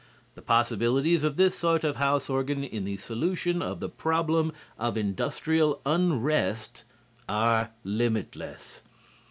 The possibilities of this sort of house organ in the solution of the problem of industrial unrest are limitless.